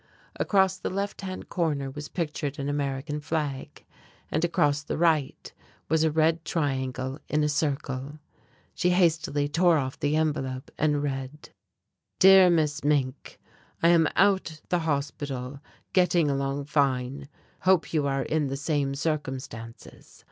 Across the left hand corner was pictured an American flag, and across the right was a red triangle in a circle. She hastily tore off the envelop and read: Dear Miss Mink: I am out the Hospital, getting along fine. Hope you are in the same circumstances.